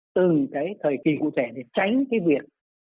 từng cái thời kỳ cụ thể để tránh cái việc